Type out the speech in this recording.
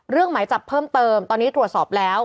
เรื่องไม้จับเพิ่มเติมตอนนี้ตรวจสอบแล้ว